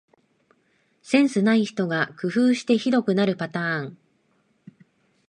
センスない人が工夫してひどくなるパターン